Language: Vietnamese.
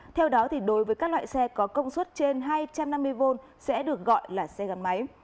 theo đó đối với các loại xe có công suất trên hai trăm năm mươi v sẽ được gọi là xe gắn máy